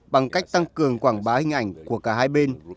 bằng cách tăng cường quảng bá hình ảnh của cả hai bên